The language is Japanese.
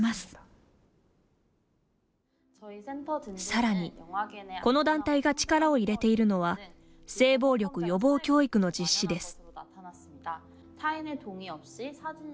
さらに、この団体が力を入れているのは性暴力予防教育の実施です。